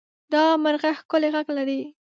دا مرغه ښکلی غږ لري.